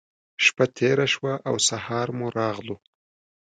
شپّه تېره شوه او سهار مو راغلو.